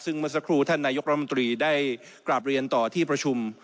ซึ่งเมื่อสักครู่ท่านนายกรัฐมนตรีได้กราบเรียนต่อที่ประชุม